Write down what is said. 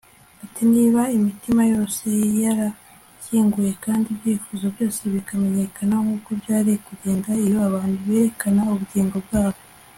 ati: niba imitima yose yarakinguye kandi ibyifuzo byose bikamenyekana - nkuko byari kugenda iyo abantu berekana ubugingo bwabo